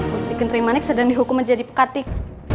gusti kenternyaman sedang dihukum menjadi pekatik